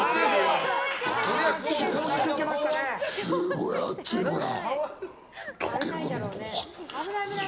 すごい熱い、これ。